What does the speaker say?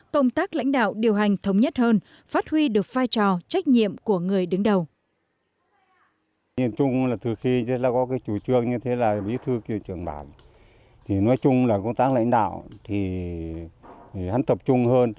công tác lãnh đạo điều hành thống nhất hơn phát huy được vai trò trách nhiệm của người đứng đầu